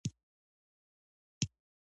ایا زه باید روټ وخورم؟